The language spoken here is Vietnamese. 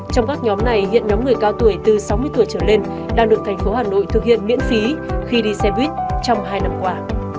trong các nhóm này hiện nhóm người cao tuổi từ sáu mươi tuổi trở lên đang được thành phố hà nội thực hiện miễn phí khi đi xe buýt trong hai năm qua